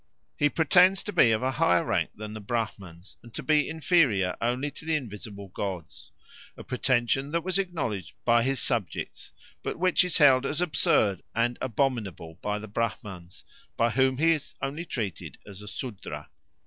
He "pretends to be of a higher rank than the Brahmans, and to be inferior only to the invisible gods; a pretention that was acknowledged by his subjects, but which is held as absurd and abominable by the Brahmans, by whom he is only treated as a Sudra."